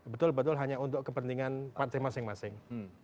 betul betul hanya untuk kepentingan partai masing masing